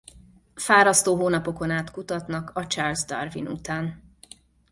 Fárasztó hónapokon át kutatnak a Charles Darwin után.